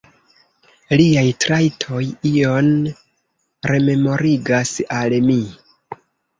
Liaj trajtoj ion rememorigas al mi.